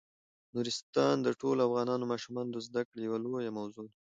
نورستان د ټولو افغان ماشومانو د زده کړې یوه لویه موضوع ده.